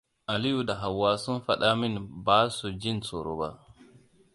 Aliyu da Hauwa sun faɗa min ba su ji tsoro ba.